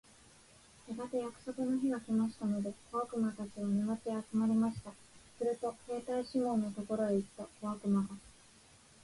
やがて約束の日が来ましたので、小悪魔たちは、沼地へ集まりました。すると兵隊シモンのところへ行った小悪魔が、